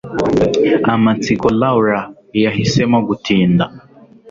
Amatsiko Laura yahisemo gutinda